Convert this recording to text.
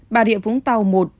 bà rịa vũng tàu một